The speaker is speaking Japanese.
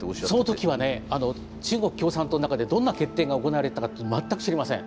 その時はね中国共産党の中でどんな決定が行われたかって全く知りません。